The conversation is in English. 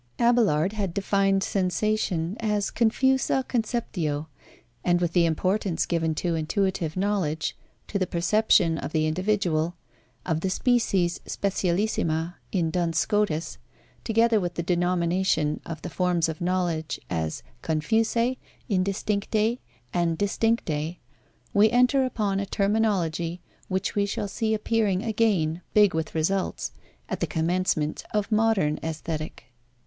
Abelard had defined sensation as confusa conceptio, and with the importance given to intuitive knowledge, to the perception of the individual, of the species specialissima in Duns Scotus, together with the denomination of the forms of knowledge as confusae, indistinctae, and distinctae, we enter upon a terminology, which we shall see appearing again, big with results, at the commencement of modern Aesthetic.